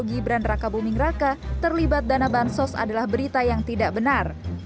gibran raka buming raka terlibat dana bansos adalah berita yang tidak benar